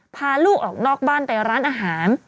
พาลูกออกนอกบ้านไปร้านอาหาร